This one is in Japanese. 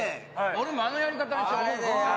俺もあのやり方にしよう！